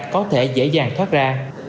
có thể dễ dàng thoát ra